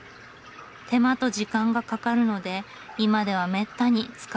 手間と時間がかかるので今ではめったに使われません。